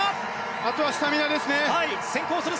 あとはスタミナですね。